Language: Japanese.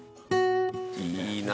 「いいなあ！」